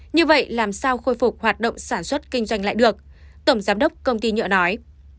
như vậy làm sao khôi phục hoạt động sản xuất kinh doanh lại được tổng giám đốc công ty nhựa nói